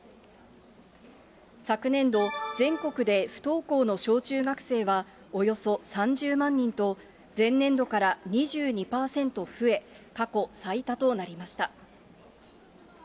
昨年度、全国で不登校の小中学生はおよそ３０万人と、前年度から２２％増え、過去最多となりました。